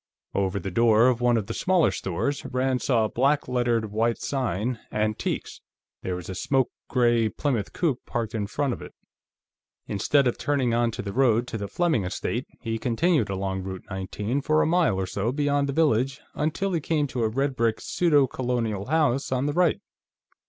Over the door of one of the smaller stores, Rand saw a black lettered white sign: Antiques. There was a smoke gray Plymouth coupé parked in front of it. Instead of turning onto the road to the Fleming estate, he continued along Route 19 for a mile or so beyond the village, until he came to a red brick pseudo Colonial house on the right.